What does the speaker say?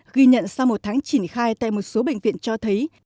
ghi nhận sau một tháng triển khai tại một số bệnh viện cho thấy